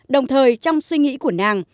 đồng thời trong suy nghĩ của nàng